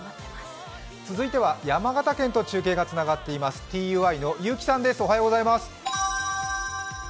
続いては山形県と中継がつながっています、ＴＵＴの結城さんです。